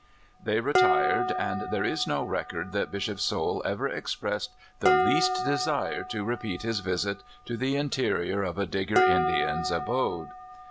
They retired, and there is no record that Bishop Soule ever expressed the least desire to repeat his visit to the interior of a Digger Indian's abode.